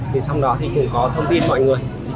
thì sau đó thì có thông tin mọi người